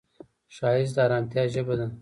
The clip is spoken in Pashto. ښایست د ارامتیا ژبه ده